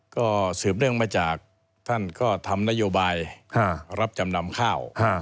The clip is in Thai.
ก็สืบเนื่องมาจากท่านก็ทำนโยบายรับจำนำข้าว